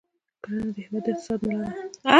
کرنه د هېواد د اقتصاد ملا ده.